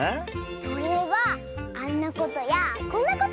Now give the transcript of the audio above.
それはあんなことやこんなことをするんだよ。